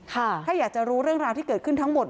ถ้าอยากจะรู้เรื่องราวที่เกิดขึ้นทั้งหมด